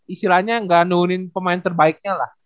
istilahnya ga nungguin pemain terbaiknya lah